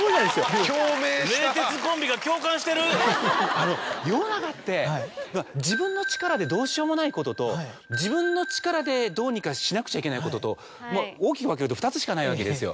あの世の中って自分の力でどうしようもないことと自分の力でどうにかしなくちゃいけないことと大きく分けると２つしかないわけですよ。